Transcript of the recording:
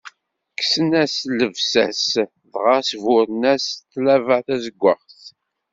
Kksen-as llebsa-s dɣa sburren-as s tlaba tazeggaɣt.